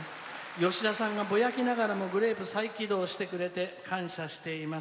「吉田さんがぼやきながらのグレープ再起動してくれて感謝しています。